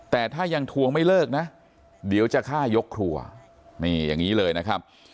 แต่ถ้ายังทวงไม่เลิกนะเดี๋ยวจะฆ่ายกครัวนี่อย่างนี้เลยนะครับ